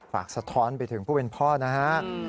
สะท้อนไปถึงผู้เป็นพ่อนะฮะ